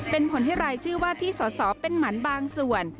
เป็นผลให้รายชื่อว่าที่สอสอเป็นหมันบางส่วน